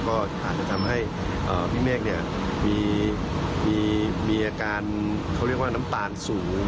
ก็อาจจะทำให้พี่เมฆมีอาการเขาเรียกว่าน้ำตาลสูง